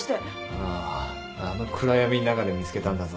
あああの暗闇ん中で見つけたんだぞ。